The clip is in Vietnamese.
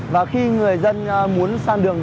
và khi người dân muốn sang đường